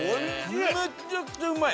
めちゃくちゃうまい！